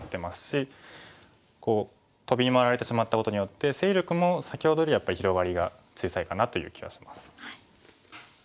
こうトビに回られてしまったことによって勢力も先ほどよりやっぱり広がりが小さいかなという気がします。